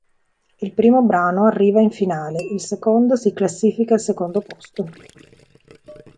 Il primo brano arriva in finale, il secondo si classifica al secondo posto.